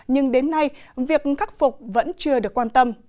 nhưng đến nay việc khắc phục vẫn chưa được quan tâm